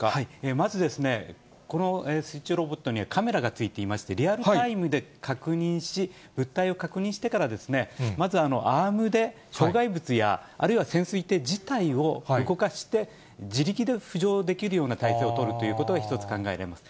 まずこの水中ロボットにはカメラが付いていまして、リアルタイムで確認し、物体を確認してから、まずアームで障害物や、あるいは潜水艇自体を動かして、自力で浮上できるような態勢をとるということが、１つ考えられます。